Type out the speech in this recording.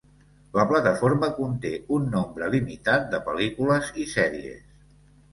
La plataforma conté un nombre limitat de pel·lícules i sèries.